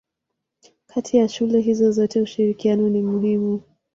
Kati ya shule hizo zote ushirikiano ni muhimu.